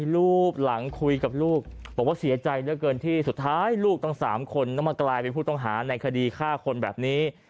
รูปหลังคุยกับลูกบอกว่าเสียใจเหลือเกินที่สุดท้ายลูกตั้ง๓คนต้องมากลายเป็นผู้ต้องหาในคดีฆ่าคนแบบนี้